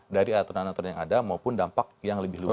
dari aturan aturan yang ada maupun dampak yang lebih luas